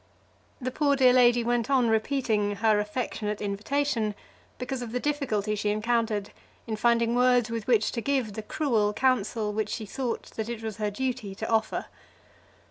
The poor, dear lady went on repeating her affectionate invitation, because of the difficulty she encountered in finding words with which to give the cruel counsel which she thought that it was her duty to offer.